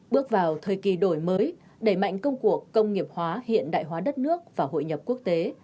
bước vào thời kỳ đổi mới đẩy mạnh công cuộc công nghiệp hóa hiện đại hóa đất nước và hội nhập quốc tế